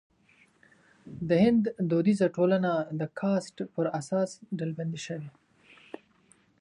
د هند دودیزه ټولنه د کاسټ پر اساس ډلبندي شوې.